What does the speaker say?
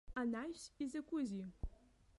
Анаҩс, изакәызеи.